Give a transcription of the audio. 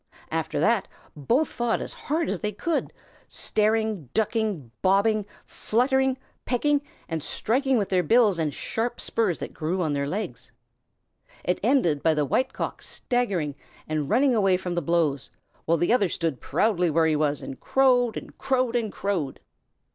After that both fought as hard as they could, staring, ducking, bobbing, fluttering, pecking, and striking with their bills and the sharp spurs that grew on their legs. It ended by the White Cock staggering and running away from the blows, while the other stood proudly where he was and crowed and crowed and crowed.